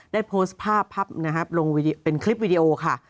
ได้โพสต์ภาพภาพนะครับลงเป็นคลิปวิดีโอค่ะ